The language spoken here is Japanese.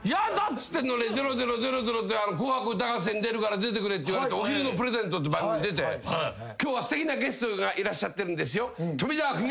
っつってんのに出ろ出ろ出ろ出ろって『紅白歌合戦』に出るから出てくれって言われて「おひるのプレゼント」って番組に出て「今日はすてきなゲストがいらっしゃってるんですよ」